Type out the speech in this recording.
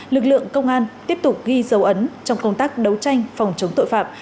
lực lượng công an tiếp tục ghi dấu ấn trong công tác đấu tranh phòng chống tội phạm